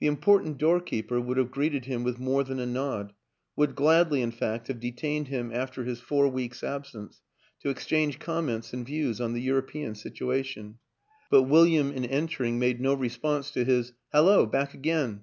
The important doorkeeper would have greeted him with more than a nod would gladly, in fact, have detained him after his four weeks' ab sence to exchange comments and views on the European situation; but William, in entering, made no response to his "Hallo, back again!"